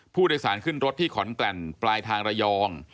ผู้โดยสารขึ้นรถที่ขอนแก่นปลายทางระยอง